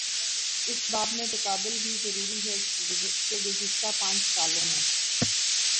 اس باب میں تقابل بھی ضروری ہے کہ گزشتہ پانچ سالوں میں